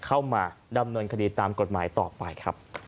เข้ามาดำเนินคดีตามกฎหมายต่อไปครับ